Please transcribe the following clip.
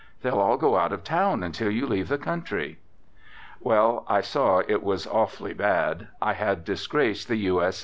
They'll all go out of town until you leave the country." Well, I saw it was awfully bad. I have disgraced the U.S.